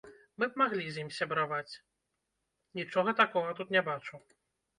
Мы б маглі з ім сябраваць, нічога такога тут не бачу.